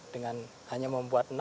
dengan hanya membuat enam